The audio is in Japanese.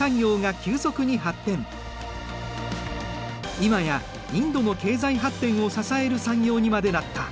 今やインドの経済発展を支える産業にまでなった。